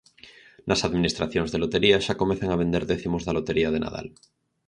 Nas administracións de lotería xa comezan a vender décimos da Lotería de Nadal.